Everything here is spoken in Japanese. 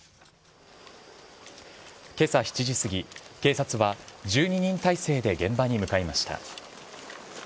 けさ７時過ぎ、警察は、１２人態勢で現場に向かいました。